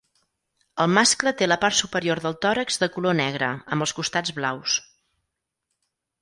El mascle té la part superior del tòrax de color negre amb els costats blaus.